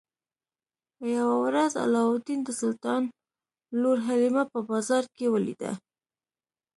یوه ورځ علاوالدین د سلطان لور حلیمه په بازار کې ولیده.